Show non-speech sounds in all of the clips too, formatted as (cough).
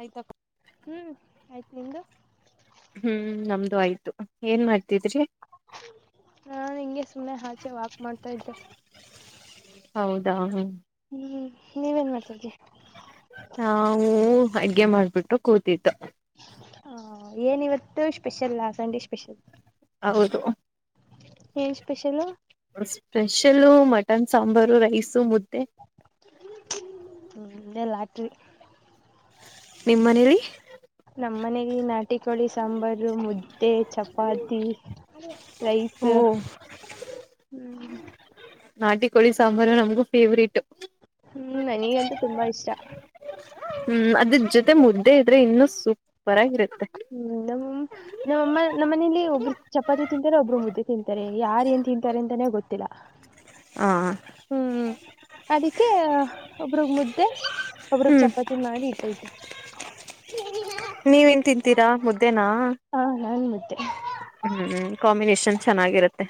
ಆಯ್ತಾ ಹ್ಮ್, ಆಯ್ತು. ನಿಂಗೆ ಹ್ಮ್, ನಮ್ದು ಆಯ್ತು. ಏನ್ ಮಾಡ್ತಿದ್ರಿ? ನಾನ್ ಹಿಂಗೆ ಸುಮ್ಮನೆ ಆಚೆ ವಾಕ್ ಮಾಡ್ತಾ ಇದ್ದೆ. ಹೌದಾ ಹ್ಮ್, ನೀವೇನ್ ಮಾಡ್ತಿದ್ರಿ? ನಾವೂ ಅಡ್ಗೆ ಮಾಡ್ಬಿಟ್ಟು ಕೂತಿದ್ದೋ ಹ, ಏನ್ ಇವತ್ತು ಸ್ಪೆಷಲಾ? ಸಂಡೆ ಸ್ಪೆಷಲ್ ಹೌದು ಏನ್ special? (unintelligible) Special, mutton sambar, rice, ಮುದ್ದೆ ಬ (unintelligible) ಲಾಟರಿ ನಿಮ್ ಮನೇಲಿ? ನಮ್ ಮನೇಲಿ ನಾಟಿ ಕೋಳಿ ಸಾಂಬಾರು, ಮುದ್ದ (unintelligible) ಮತ್ತೆ, ಚಪಾತಿ, ಓ ರೈಸ್, ಹ್ಮ ನಾಟಿ ಕೋಳಿ ಸಾಂಬಾರು, ನಮಗೂ ಫೇವ್ರೇಟು ಹ್ಮ್, ನನಿಗಂತೂ ತುಂಬಾ ಇಷ್ಟ. ಹ್ಮ್, ಅದ್ರ ಜೊತೆ ಮುದ್ದೆ ಇದ್ರೆ ಇನ್ನು ಸೂಪರ್ ಆಗಿರುತ್ತೆ ಹ್ಮ್, ನಮ್ ನಮ್ಮಮ್ಮ ನಮ್ಮ ಮನೇಲಿ ಒಬ್ರು ಚಪಾತಿ ತಿಂತೀರ, ಒಬ್ರು ಮುದ್ಧೆ ತಿಂತಿ (unintelligible) (unintelligible) ಯಾರ ಏನ್ ತಿಂತಾರೆ ಅಂತಾನೇ ಗೊತ್ತ (unintelligible) ತ್ತ (unintelligible) ಹಾ ಹ್ಮ್. ಅದಕ್ಕೆ ಒಬ್ರಗ್ ಮುದ್ದೆ, ಒಬ್ರಗ್ ಹ್ಮ್ ಚಪಾತಿ ಮಾಡಿ ಇಟ್ಟೈತೆ ಕಿನ (unintelligible) ನೀವೇನ್ ತಿಂತೀರಾ? ಮುದ (unintelligible) ಹ ನಾನ್ ಮುದ್ದೆ ಹ್ಮ್ಮ ಕಂಬಿನಷ (unintelligible) (unintelligible) ಚೆನ್ನಾಗಿರುತ್ತೆ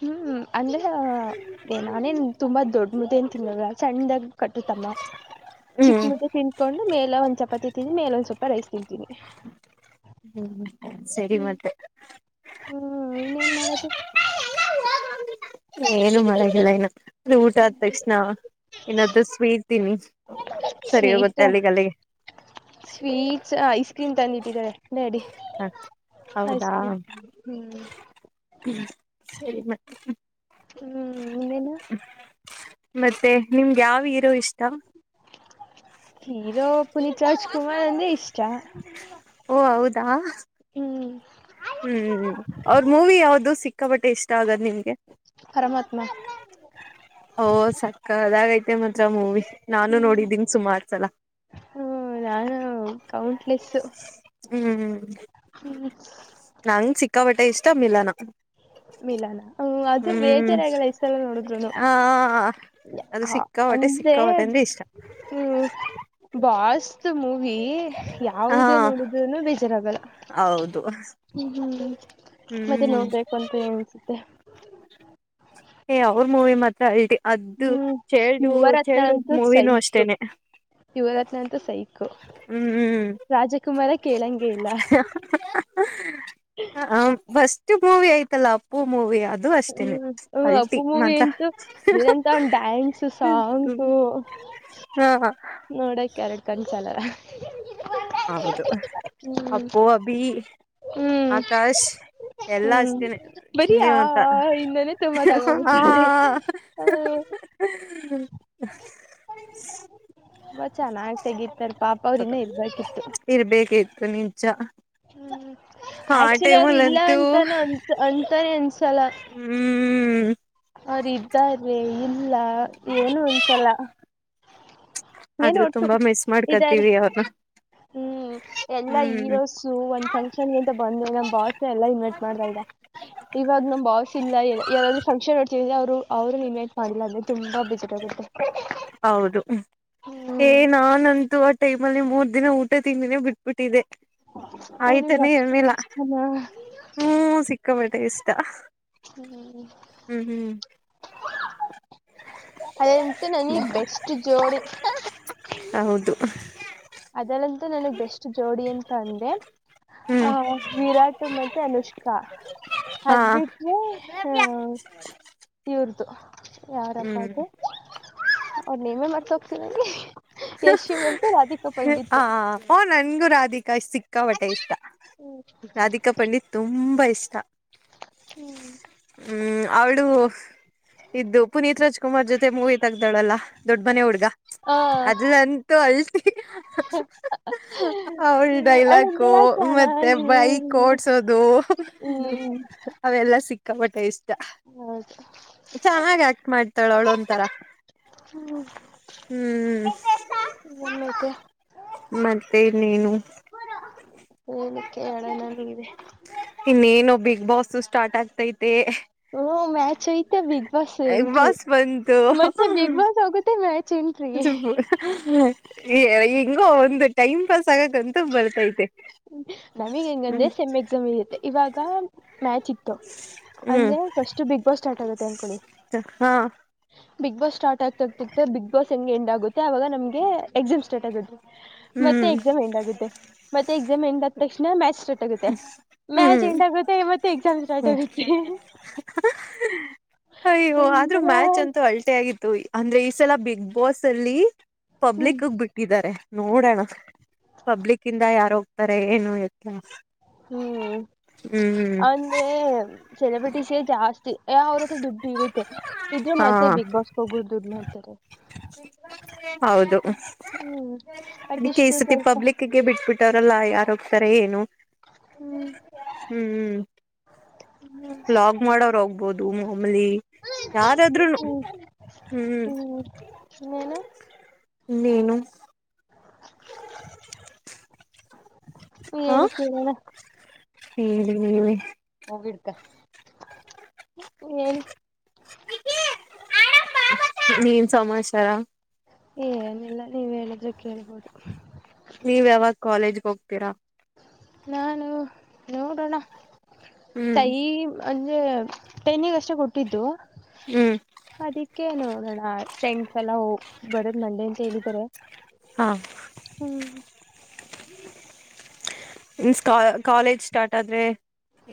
ಹ್ಮ್, ಅಂದ್ರೆ ನಾನೇನ್ ತುಂಬಾ ದೊಡ್ದ ಮುದ್ಧೆ ಏನ್ ತಿನ್ನಲ್ಲ, ಸಣ್ಣದಾಗ್ ಕಟ್ಟುತ್ ಅಮ್ಮ ಚಿಕ್ ಹ್ಮ್ ಮುದ್ಧೆ ತಿನ್ನಕೊಂಡ ಮೇಲೆ ಒಂದ್ ಚಪಾತಿ ತಿಂದ್, ಮೇಲೆ ಒಂದ್ ಸ್ವಲ್ಪ ರೈಸ್ ತಿಂತೀನಿ. ಹ್ಮ್, ಸರಿ ಮತ್ತೆ ಹ್ಮ್ ಇನ್ನೇನ್ ಮಾಡೋದು (unintelligible) ಏನು ಮಾಡಂಗಿಲ್ಲ ಇನ ಅ (unintelligible) ಊಟ ಆದ ತಕ್ಷಣ ಏನಾದ್ರೂ ಸ್ವೀಟ್ ತಿನ್ನಿ. ಸರಿ ಹೋಗುತ್ತೆ, ಸ್ವೀಟ್ ಅಲ್ಲಿಗೆ ಅಲ್ಲಿಗೆ ಸ್ವೀಟ್ಸ್ ಐಸ್ ಕ್ರೀಮ್ (unintelligible) ತಂದಿಟ್ಟಿದ್ದಾರೆ ಡ್ಯಾಡಿ ಹ ಐಸ್ ಹೌದಾ ಕ್ರೀಮ್ ಹ್ಮ್ (unintelligible) ಸರಿ ಮತ್ತ ಹ್ಮ್ ಇನ್ನೇನು (unintelligible) ಮತ್ತೆ ನಿಮ್ದ (unintelligible) ಯಾವ ಹೀರೋ ಇಷ್ಟ (unintelligible) ತ್ತ ಹೀರೋ ಪುನೀತ್ ರಾಜ್ ಕುಮಾರ್ ಅಂದ್ರೆ ಇಷ್ಟ ಚಾ ಓ ಹೌದಾ ಹ್ಮ್ ಅವ್ರ ಮೂವಿ ಯಾವ್ದು ಸಿಕ್ಕಾ ಬಟ್ಟೆ ಇಷ್ಟ ಆಗದ್ ನಿಮ್ಗೆ ಪರಮಾತ್ಮ ಓ ಸಕ್ಕ ಸಕ್ಕತ್ತಾಗೈತೆ ಮಾತ್ರ ಮೂವಿ ನಾನು ಹ್ಮ್ ನೋಡಿದ್ದೀನಿ ಸುಮಾರು ಸಲ ಹ್ಮ ನಾನು ಕೌಂಟ್ಲೆಸ್ಸು ಹ್ಮ್ ಹ ನಂಗ ಸಿಕ್ಕಾಪಟ್ಟೆ ಇಷ್ಟ ಮಿಲನ ಮಿಲನ ಹ್ಮ್ ಅದು ಹ್ಮ್ ಬೇಜಾರಾಗಲ್ಲ ಎಷ್ಟು ಸಲ ನೋಡಿದ್ರುನು ಆ ಅದು ಹ ಸಿಕ್ಕಾಬಟ್ಟೆ ಅಂದ್ರೆ ಸಿಕ್ಕಾಬಟ್ಟೆ ಅಂದ್ರೆ ಇಷ್ಟ ಹ್ಮ ಫಾಸ್ಟ್ ಮೂವಿ ಹಾ ಯಾವುದೇ ನೋಡುದನು ಬೇಜಾರಾಗಲ್ಲ ಹೌದು ಹ್ಮ್ ಮತ್ತೆ ಹ್ಮ್ ನೋಡ್ಬೇಕು ಅಂತೂ ಎನ್ಸುತ್ತೆ ಏ ಅವ್ರ ಮೂವಿ ಮಾತ್ರ ಅಲ್ಟಿ ಅದ್ದ ಹ್ಮ್ ಚೈಲ್ಡು ಯುವರತ್ನ ಚೈಲ್ಡು ಅಂತೂ ಮೂವಿನೂ ಸೈಕ್ ಅಷ್ಟೇನೆ ಯುವರತ್ನ ಅಂತ ಸೈ ರಾಜಕುಮಾರ ಕೇಳಂಗೆ ಇಲ್ಲ ಹಾ ಹಾ ಹಾ ಹಾ ಬಸ್ ಅಷ್ಟು ಮೂವಿ ಐ್ತಲ್ಲ ಅಪ್ಪು ಮೂವಿ ಅದು ಅಷ್ಟೇನೆ ಹ್ಮ್ ಹ ಅಲ್ಟಿ ಅಪ್ಪು ಮೂವಿ ಮಾತ್ರ ಅಂತು ಇರಂತ ಒಂದು ಡ್ಯಾನ್ಸ್ ಸಾಂಗು ಹಾ ನೋಡಕ್ ಕ್ಯಾರೆಟ್ ಕನ್ಸಲ ಹೌದು ಹ್ಮ್ ಅಪ್ಪು ಅಭಿ ಆಕಾಶ್ ಎಲ್ಲಾ ಹ್ಮ್ ಅಷ್ಟೇನೆ ಬರೀ ಚಿಂದಿ ಆ ಮಾತ್ರ ಆ ಇಂದಾನೆ ತುಂಬಾ ತಗೋಬಿಡ್ತಾರೆ. ಹ ತುಂಬಾ ಚೆನ್ನಾಗ್ ತೆಗಿತಾರ್ ಪಾಪ ಅವರು ಇನ್ನ ಇರ್ಬೇಕು ಇರ್ಬೇಕಿತ್ತು ನಿಜಾ ಆಕ್ಚುಲಿ ಅವರು ಇಲ್ಲ ಅಂತಾನ ಅ ಅಂತಾನೇ ಅನ್ (unintelligible) ಹ್ಮ್ ಅವರ ಇದ್ದಾರೆ. ಇಲ್ಲ ಏನು ಅನ್ಸಲ್ ಏನ್ ಆದ್ರೂ ಒಟ್ಟು ತುಂಬಾ ಮಿಸ್ ಇದಾರೆ ಮಾಡ್ಕತೀವಿ ಅವ್ರನ್ನ ಹ್ಮ ಎಲ್ಲಾ ಹ್ಮ್ ಈರೋಸ ಒಂದ್ ಫಂಕ್ಷನ್ಗಂತ ಬಂದ್ಮೇಲೆ ನಮ್ ಬಾಸ್ ಎಲ್ಲ ಇನ್ವೈಟ್ ಮಾಡತ ಇದ ಇವಾಗ ನಮ್ ಬಾಸ್ ಇಲ್ಲಲ ಯಾರಾದ್ರು ಫಂಕ್ಷನ್ ನಡ್ತಿದ್ರ ಅವರು ಅವ್ರನ್ನ ಇನ್ವೈಟ್ ಮಾಡಿಲ್ಲಂದ್ರೆ ತುಂಬಾ ಬೇಜಾರ್ ಆಗುತ್ತೆ. ಹೌದು ಏ ಹ್ಮ್ ನಾನಂತು ಟೈಮ್ ಅಲ್ಲಿ ಮೂರ್ ದಿನ ಊಟ ತಿಂದಿನೇ ಬಿಟ್ಬಿಟ್ಟಿದೆ. ಓ ನಿಮ್ಗೆ ಆಯ್ತನೇ ಅಷ್ಟೊಂದು ಇರಲಿಲ್ಲಾ ಇಷ್ಟನಾ ಹ್ಮ್ ಸಿಕ್ಕಬ ಇಷ್ಟ. ಹ ಹ್ಮ್ ಹ್ಮ್ ಅದೇ ಮತ್ತ ಬೆಸ್ಟ್ ಜೋಡಿ. (unintelligible) ಹೌದು ಅದರಲ್ಲಂತೂ ನನಗ್ ಬೆಸ್ಟ್ ಜೋಡಿ ಅಂತ ಅಂದೇ ಆ ಹ್ಮ್ ವಿರಾಟ್ ಮತ್ತೆ ಅನುಷ್ಕಾ. ಹಾ ಅದ್ ಬಿಟ್ರೆ ಅ ಇವ್ರುದು. ಯಾರಪ್ಪ ಅದು ಅವ್ರ ನೇಮೆ ಮರ್ತ ಹೋಗ್ ಯಶ ಮತ್ತು ರಾಧಿಕಾ. ಹ ಪಂಡಿತ್ ಓ ನಂಗೂನು. ಧಿಕಾ ಸಿಕ್ಕಾಪಟ್ಟೆ ಇಷ್ಟ. ರಾಧಿಕಾ ಪಂಡಿತ್ ತುಂಬಾ ಇಷ್ಟ. ಹ್ಮ್ ಅವಳು. ಇದ್ದು ಪುನೀತ್ ರಾಜ್ಕುಮಾರ್ ಜೊತೆ ಮೂವಿ ತಗ್ದಾಳಲ್ಲಾ ದೊಡ್ಡ ಮನೆ ಹುಡ್ಗ. ಆ ಅದಂತೂ ಅಲ್ಟ (unintelligible) ಅವಳ ಡೈಲಾಕೂ ಅವಳೊಂಥರ ಮತ್ತೆ ಚೆನ್ನಾಗಿ ಬೈಕ್ ಓಡ್ಸೋದು ಹ್ಮ್ ಅವೆಲ್ಲ. ಸಿಕ್ಕಾಪಟ್ಟೆ ಇಷ್ಟ. ಚೆನ್ನಾಗ ಆಕ್ಟ್ ಮಾಡ್ತಾಳ ಅವಳೊಂಂತರ. ಹೌದು ಹ್ಮ್ ಮತ್ತೆ ಮತ್ತೆನ್ನೇನು? ಏನಕ್ಕೆ (unintelligible) ಇನ್ನೇನು ಬಿಗ್ ಬಾಸ್ ಸ್ಟಾರ್ಟ್ ಆಗ್ತ ಇತ್ತು. ಓ ಮ್ಯಾಚ್ ಐತೆ big boss big entry boss ಮತ್ತೆ ಬಿಗ್ ಬಾಸ್ ಹೋಗುತ್ತೆ ಮ್ಯಾಚ್. ಎಂಟ್ರಿ (unintelligible) ಹ ಹೆಂಗೋ ಒಂದು ಟೈಮ್ ಪಾಸ್ ಆಗಕ್ಂತೂ ಬರ್ತೈತೆ. ನಮಗ್ ಹೆಂಗಂದ್ರೆ ಹ್ಮ್ ಸೆಮ್ ಎಕ್ಸಾಮ್ ಇರುತ್ತೆ. ಇವಾಗ ಮ್ಯಾಚ್ ಇತ್ತು ಹ್ಮ್ ಅಂದ್ರೆ ಫಸ್ಟ್ ಬಿಗ್ ಬಾಸ್ ಸ್ಟಾರ್ಟ್ ಆಗತ್ತೆ ಅನ್ಕೊಳ್ಳಿ ಹಾ ಬಿಗ್ ಬಾಸ್ ಸ್ಟಾರ್ಟ್ ಆಗ್ತ ಆಗ್ತಿತ್ತ. ಬಿಗ್ ಬಾಸ್ ಹೆಂಗೆ ಎಂಡ್ ಆಗುತ್ತೆ ಆಾಗ ನಮಗೆ ಎಕ್ಸಾಮ್ ಸ್ಟಾರ್ಟ್ ಆಗುತ್ತೆ. ಮತ್ತೆ ಹ್ಮ್ ಎಕ್ಸಾಮ್ ಹೆಂಗ್ ಆಗುತ್ತೆ ಮತ್ತೆ ಎಕ್ಸಾಮ್ ಎಂಡ್ ಆದ ತಕ್ಷಣ ಮ್ಯಾಚ್ ಸ್ಟಾರ್ಟ್ ಆಗುತ್ತೆ ಮ್ಯಾಚ್ ಹ್ಮ್ ಎಂಡ್ ಆಗುತ್ತೆ ಮತ್ತೆ ಎಕ್ಸಾಮ್ ಸ್ಟಾರ್ಟ್ ಆಗುತ್ತೆ ಅಯ್ಯೋ ಆದ್ರೂ ಒಂಥರ ಮ್ಯಾಚ್ ಅಂತೂ ಅಲ್ಟಿ ಆಗಿತ್ತು ಅಂದ್ರೆ ಸಲ ಬಿಗ್ ಬಾಸ್ ಅಲ್ಲಿ. ಹ್ಮ್ ಪಬ್ಲಿಕ್ಗ್ ಬಿಟ್ಟಿದ್ದಾರೆ. ನೋಡೋಣ ಪಬ್ಲಿಕ್ ಇಂದ ಯಾರು ಹೋಗ್ತಾರೆ ಏನು ಎತ್ತ. ಹ್ಮ್ ಹ್ಮ್ ಅಂದ್ರೆ. ಸೆಲೆಬ್ರಿಟಿಸೆ ಜಾಸ್ತಿ ಅವ್ರ ಹತ್ರ ದುಡ್ಡು ಇರುತ್ತೆ. ಇದರು ಹಾ ಮತ್ತೆ ಬಿಗ್ ಬಾಸ್ಗೆ ಹೋಗೋದು ದುಡ್ಡು ಮಾ. (unintelligible) ಹೌದು ಅದಕ್ಕೆ ಈ ಅಟ್ಲೀಸ್ಟ್ ಸತಿ ಸ್ವಲ್ಪ ಪಬ್ಲಿಕ್ಗೆ ಬಿಟ್ಬಿಟ್ಟ್ರಲ್ಲ ಯಾರ. ತಾರೆ ಏನು. ಹ್ಮ್ ಲಾಗ್ ಮಾಡೋರು ಹೋಗ್ಬೋದು. ಟು ಮಮಲಿ ಯಾರಾದ್ರರುನು ಹ್ಮ್. ಇನ್ನೇನು ಏನೇನು ಕೇಳಿಸ್ತಿದೆನಾ ಹೇಳಿ ಹೇಳಿ ಹೋಗಡ್ತ ಹೇಳಿ ನೀನ್ ಸಮಮಾಚಾರ. ಏನಿಲ್ಲ ನೀವ ಹೇಳಿದ್ರೆ ಕೇಳ್ಬೋದು. ನೀವ್ ಯಾವಾಗ ಕಾಲೇಜ್ಗೆ ಹೋಗ್ತೀರಾ. ನಾನು ನೋಡೋಣ. ಹ್ಮ್ ಟೈಮ್ ಅಂದ್ರೆ ಟೆನಿಂಗ್ ಅಷ್ಟೇ ಕೊಟ್ಟಿದ್ದು. ಹ್ಮ್ ಅದಕ್ಕೆೇ ನೋಡೋಣ (unintelligible) ಸಲ ಬರೋದು ಮಂಡೇ ಅಂತ ಹೇಳಿದ್ದಾರೆ. ಹಾ ಹ್ಮ್. (inaudible) ಇನ್ ಸ್ಕಾ ಕಾಲೇಜ್ ಸ್ಟಾರ್ಟ್ ಆದ್ರೆ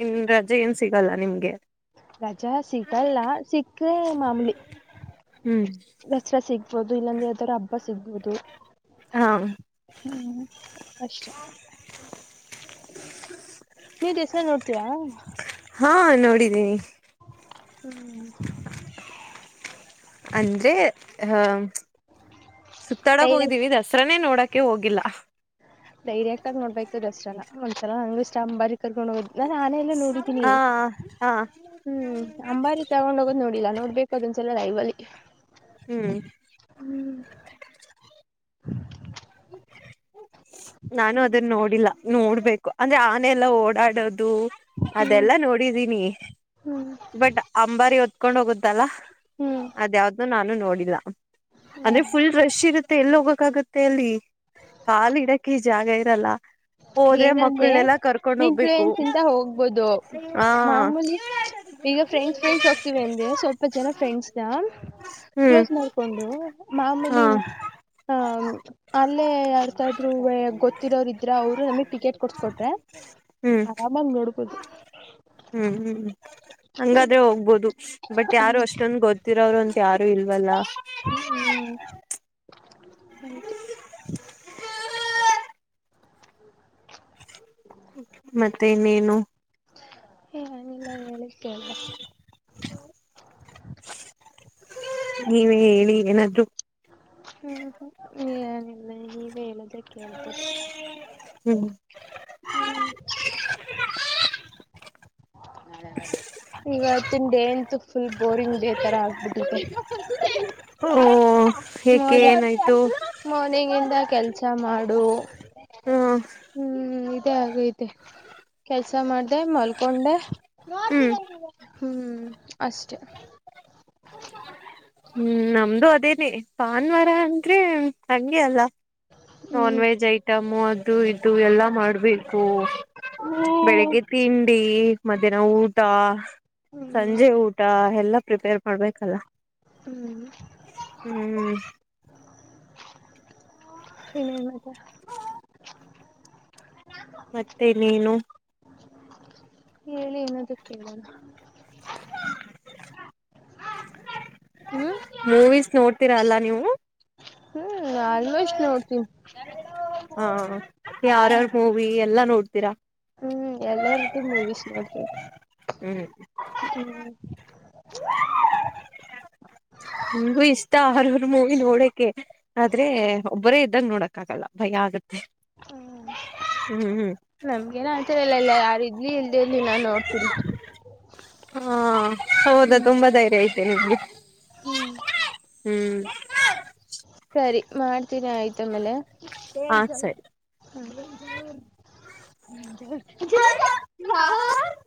ಇನ್ ರಜೆ ಏನ್ ಸಿಗಲ್ಲ ನಿಮ್ಗೆ. ರಜಾ ಸಿಗಲ್ಲ ಸಿಕ್ಕ್ರೇ ಮಾಮೂಲಿ. ಹ್ಮ್ ದಸರಾ ಸಿಗ್ಬೋುದು ಇಲ್ಲಾಂದ್ರೆ ಈ ತರ ಹಬ್ಬ ಸಿಗ್ ಸಿಗಬೋದು. ಹಾ. ಹ್ಮ್ ಅಷ್ಟೇ ನೀವ ದಸರ ನೋಡ್ತೀಯಾ. ಹಾ ನೋಡಿದ್ದೀನಿ. ಹ್ಮ್. ಅಂದ್ರೆ ಹಹ. ಸುತ್ತಾಡಕ್ ಡೈರೆಕ್ಟ್ ಹೋಗಿದ್ದೀವಿ ದಸರಾನೇ ನೋಡಕ್. ಅದಕ್ಕೆ ಹೋಗಿಲ್ಲ ಡೈರೆಕ್ಟ್ ಆಗಿ ನೋಡ್ಬೇಕು ಒಸೆಂಗ (inaudible) ಹೋಲಿಕೆ ಇಲ್ಲ ಚೇಂಬರ್ ಗೆ ಕರಕೊಂಡು ಹೋದೆ ನಾನೆಲ್ಲ ನೋಡಿದೀನಿ ಹಾ ಹಾ ಹ್ಮ್ ಅಂಬಾರಿ ತಗೊಂಡ್ ಹೋಗೋದ್ ನೋಡಿಲ್ಲ ನೋಡ್ಬೇಕು ಕೊದಂಚಲ್ಲ ನಐ ಬಿ (inaudible) ಹ್ಮ್ (inaudible) ಹ್ಮ (inaudible) ನಾನು ಅದನ್ನ ನೋಡಿಲ್ಲ ನೋಡ್ಬೇಕು ಅಂದ್ರೆ ಆನೆ ಎಲ್ಲ ಓಡಾಡದು ಹ್ಮ್ ಅದೆಲ್ಲ ನೋಡಿದೀನಿ ಬಟ್ ಅಂಬಾರಿ ಹೊತ್ತು ಹೋಗೋದು ಕರ್ಕೊಂಡು ಹೋಗುತ್ತಲ ಹ್ಮ್ ಅದ ಯಾವ್ದು ನಾನು ನೋಡಿಲ್ಲ ಇಲ್ಲ ಅಂದರೆ ಫುಲ್ ರೇಶ್ ಇರುತ್ತೆ ಎಲ್ಲಿ ಹೋಗೋದು ಸಾಕಾಗುತ್ತೇ ಅಲ್ಲಿ ಕಾಲು ಇಡೋಕೆ ಎಕೇ ಜಾಗ ಇರಲ್ಲ ಏನು ಅಂದರೆ ಮಕ್ಕಳನೆಲ್ಲಾ ಕರ್ಕೊಂಡ್ ಹೋಗ್ಬೇಕು ಫ್ರೆಂಡ್ಸ್ ನೀನು ಜೊತೆ ಹೋಗ್ಬೋದು ಹಾ ಮಾಮೂಲಿ ಈಗ ಫ್ರೆಂಡ್ಸ್ ಫ್ರೆಂಡ್ಸ್ ಹೋಗ್ತಿೀವಿ ಅಂದೆ ಸ್ವಲ್ಪ ಜನ ಫ್ರೆಂಡ್ಸ್್ದ ಹ್ಮ್ ಕ್ಲೋಸ್ ಮಾಡ್ಕೊಂಡು ಹಾ ಅಲ್ಲಿ ಯಾರದು ಆದರು ಗೊತ್ತು ಇರೋರು ಇದ್ದರೆ ಇದ್ದರೆ ಅವರು ನಮಗ್ ಟಿಕೆಟ್ ಕೊಡ್ಸ್ಕೊಕೊಟ್ಟರೆ ಹ್ಮ್ ಆರಾಮಾಗಿ ನೋಡ್ಬೋದು ಹ್ಮ್ ಹ್ಮ್ ಹಂಗಾದ್ರೆ ಹೋಗ್ಬೋದು ಬಟ್ ಯಾರು ಅಷ್ಟೊಂದ ಗೊತ್ತಿರೋರು ಅಂತ ಯಾರು ಇಲ್ವಲ್ಲ ಹ್ಮ್ ಹೌದು ಮತ್ತೆ ಇನ್ನೇನು ಏನಿಲ್ಲ ಹೇಳಿ ಕೇಳ ನೀವೇ ಹೇಳಿ ಏನಾದ್ರೂ ಹ್ಮ್ ಹ್ಮ ಏನಿಲ್ಲ ನೀವೇ ಹೇಳಿದರೆ ಕೇಳಿತೀನಿ ಹ್ಮ್ ಕೇಳಿಬೇಕು ಹೂ ಈವತ್ತಿನ ಡೇ ಅಂತೂ ಫುಲ್ ಬೋರಿಂಗ್ ಡೇ ತರ ಆಗ್ಬಿಟ್ಟಿದೆ. ಒಹ್ ಏಕೆ ಮಾರ್ನಿಂಗ್ ಏನಾಯ್ತು? ಮಾರ್ನಿಂಗ್ ಇಂದ ಕೆಲ್ಸ ಮಾಡು (unintelligible) ನಿದ್ದೆ ಆಗಯ್ತೆ. ಕೆಲ್ಸ ಮಾಡ್ದೆ ಮಲ್ಕ್ ಒನ್ ಡೇ ಹ್ಮ್ ನೋಡ್ತೀರಾ ನೀವ್ ಇವತ್ತು. ಹ್ಮ್ ಅಷ್ಟೇ. ಹ್ಮ್ ನಮ್ದು ಅದೇನೆ. ಪಾನ್ವರನ್ ತ್ರೀವ್ ನನ್ ತಂಗಿ ಅಲ್ಲ. ನಾನ್ ಹ್ಮ್ ವೆಜ್ ಐಟಮು ಅದು ಇದು ಎಲ್ಲಾ ಮಾಡ್ಬೇಕು. ಬೆಳಿಗ್ಗೆ ಹ್ಮ್ ತಿನ್ ಟೀ, ಮಧ್ಯಾನ ಊಟ ಸಂಜೆ ಊಟ ಆಯ್ ಎಲ್ಲಾ ಪ್ರಿಪೇರ್ ಮಾಡ್ಬೇಕಲ್ಲ. ಹ್ಮ್. ಹ್ಮ್ (unintelligible) ಇನ್ನೇನ್ ಮತ್ತೆ? ಮತ್ತೇ ಇನ್ನೇನು? ಹೇಳಿ ಏನಾದ್ರೂ ಕೇಳಣ. ಹ್ಮ್ ಮೂವೀಸ್ ನೋಡ್ ತಿರ ಅಲ್ಲ ನೀವು. ಹ್ಮ್ ಆಲ್ಮೋಸ್ಟ್ ನೋಡ್ತೀನಿ. ಹಾ ಯಾರ ಯಾರ್ ಮೂವಿ ಎಲ್ಲಾ ನೋಡ್ತೀರಾ? ಹ್ಮ್ ಎಲ್ಲಾರ್ದು ಮೂವಿಸ್ ನೋಡ್ತಿನಿ. ಹ್ಮ್ (unintelligible) (unintelligible) ನನ್ಗು ಇಷ್ಟ ಹಾರರ್ ಮೂವಿ ನೋಡಕೆ. ಆದ್ರೇ ಒಬ್ಬರೇ ಇದ್ದಾಗ್ ನೋಡಕ್ ಆಗಲ್ಲ ಭಯ ಆಗತ್ ಹ್ಮ್ಮ್. ಹ್ಮ್ ನಮ್ಗೆಲ್ಲಾ ಆತರಾ ಎಲ್ಲ ಇಲ್ಲ ಯಾರ್ ಇರ್ಲಿ ಇಲ್ದೆೇ ಇರ್ಲಿ ನಾನ್ ನೋಡ್ತೀನಿ. ಹಾ. ಹೌದಾ ತುಂಬಾ ಧೈರ್ಯ ಇತ್ತ್. (unintelligible) ಹ್ಮ್ಮ್. ಹ್ಮ್. ಸರಿ ಮಾಡ್ತೀನಿ ಆಯ್ತು. ಹಾ ಸರಿ (unintelligible) (unintelligible) (unintelligible)